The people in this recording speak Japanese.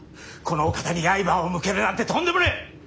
このお方に刃を向けるなんてとんでもねえ！